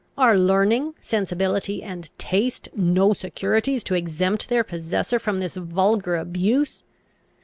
Are learning, sensibility, and taste, no securities to exempt their possessor from this vulgar abuse?